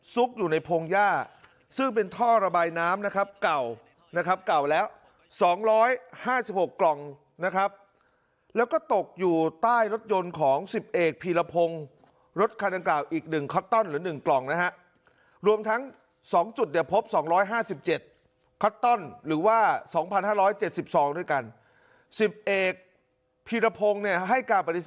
ซุกอยู่ในพงยาซึ่งเป็นท่อระบายน้ำนะครับ